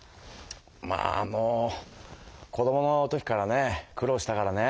まあもう子どもの時からね苦労したからね。